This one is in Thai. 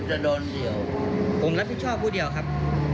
าลูกว่าเมื่อกี้หนูมากนะครับ